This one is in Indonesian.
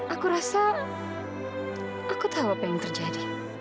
aku rasa aku tahu apa yang terjadi